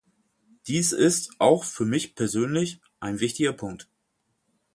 Dies ist, auch für mich persönlich, ein wichtiger Punkt.